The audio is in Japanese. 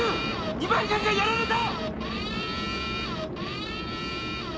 二番艦がやられた！